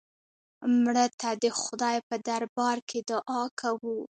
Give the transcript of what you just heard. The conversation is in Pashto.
مړه ته د خدای په دربار کې دعا کوو